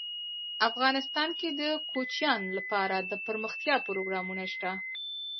افغانستان کې د کوچیان لپاره دپرمختیا پروګرامونه شته.